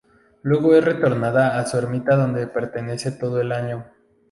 Luego es retornada a su ermita donde permanece todo el año.